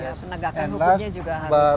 ya penegakan hukumnya juga harus